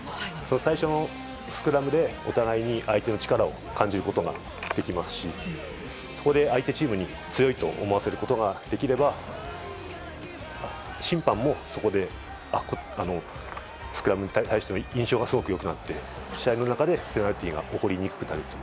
最初のスクラムでお互いに相手の力を感じることができますし、そこで相手チームに強いと思わせることができれば審判も、そこでスクラムに対しての印象がすごく良くなって試合の中でペナルティーが起こりにくくなると。